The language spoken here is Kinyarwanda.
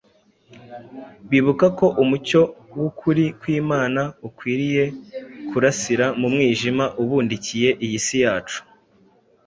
bibuka ko umucyo w’ukuri kw’Imana ukwiriye kurasira mu mwijima ubundikiye iyi si yacu.